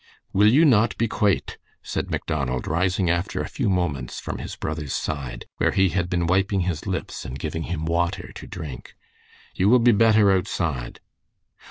"Will you not be quate?" said Macdonald, rising after a few moments from his brother's side, where he had been wiping his lips and giving him water to drink. "You will be better outside."